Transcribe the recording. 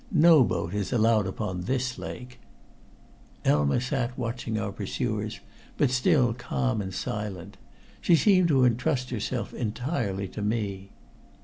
No boat is allowed upon this lake." Elma sat watching our pursuers, but still calm and silent. She seemed to intrust herself entirely to me.